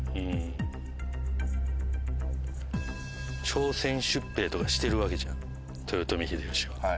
朝鮮出兵とかしてるわけじゃん豊臣秀吉は。